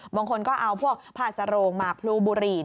บางคนก็เอาพวกผ้าสโรงหมากพลูบุหรี่